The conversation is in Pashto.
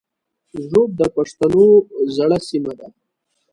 ږوب د پښتنو زړه سیمه ده